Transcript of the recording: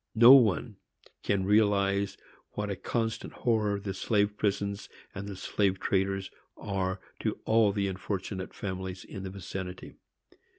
No one can realize what a constant horror the slave prisons and the slave traders are to all the unfortunate families in the vicinity.